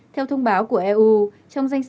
theo thông báo của eu trong danh sách